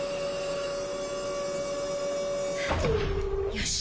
よし。